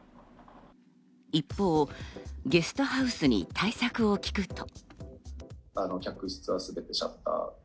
一方、ゲストハウスに対策を聞くと。